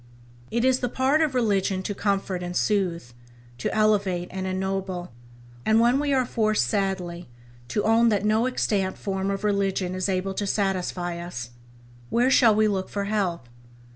It is the part of religion to comfort and soothe, to elevate and ennoble, and when we are forced sadly to own that no extant form of religion is able to satisfy us, where shall we look for help